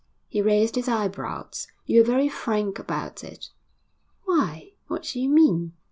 He raised his eyebrows. 'You are very frank about it.' 'Why what do you mean?'